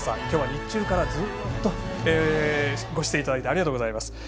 きょうは日中から、ずっとご出演いただいてありがとうございます。